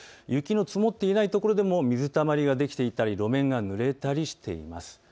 雪の積もっていないところでも水たまりができていたり路面がぬれたりしています。